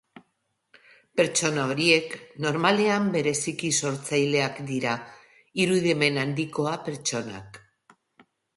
Pertsona horiek normalean bereziki sortzaileak dira, irudimen handikoa pertsonak.